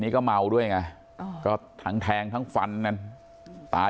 นี่ก็เมาด้วยไงก็ทั้งแทงทั้งฟันกันตาย